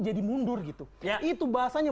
jadi mundur gitu itu bahasanya